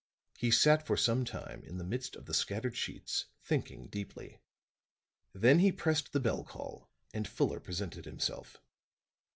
He sat for some time in the midst of the scattered sheets thinking deeply; then he pressed the bell call, and Fuller presented himself.